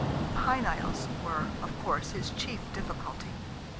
The Hy Nials were, of course, his chief difficulty.